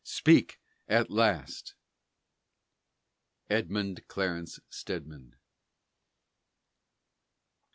Speak at last! EDMUND CLARENCE STEDMAN.